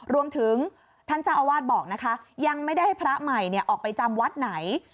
รวมถึงท่านเจ้าอาวาสบอกนะคะยังไม่ได้ให้พระใหม่ออกไปจำวัดไหน